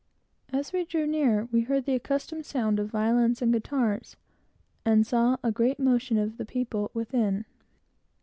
As we drew near, we heard the accustomed sound of violins and guitars, and saw a great motion of the people within.